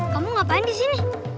kamu ngapain disini